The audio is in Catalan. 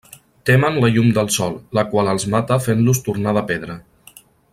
Temen la llum del sol, la qual els mata fent-los tornar de pedra.